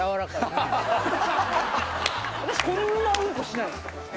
私こんなうんこしないです。